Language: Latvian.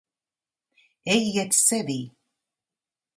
Ejiet sevī.